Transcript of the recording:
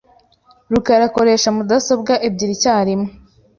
rukara akoresha mudasobwa ebyiri icyarimwe .